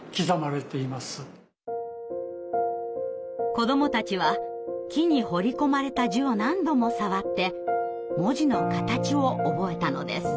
子どもたちは木に彫り込まれた字を何度も触って文字の形を覚えたのです。